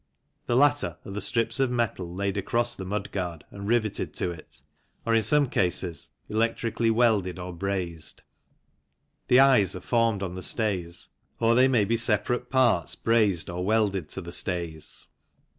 The latter are the strips of metal laid across the mudguard and riveted to it, or, in some cases, electrically welded or brazed. The eyes are formed on the stays or they may be separate parts brazed or welded to the stays.